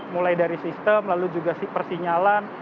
mulai dari sistem lalu juga persinyalan